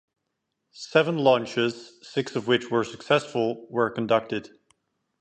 Seven launches, six of which were successful, were conducted.